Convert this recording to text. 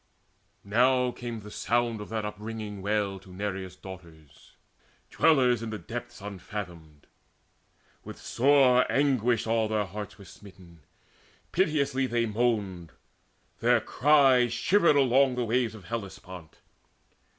Now came the sound of that upringing wail To Nereus' Daughters, dwellers in the depths Unfathomed. With sore anguish all their hearts Were smitten: piteously they moaned: their cry Shivered along the waves of Hellespont.